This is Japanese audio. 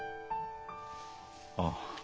ああ。